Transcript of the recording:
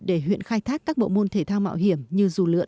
để huyện khai thác các môn thể thao mạo hiểm như dù lượn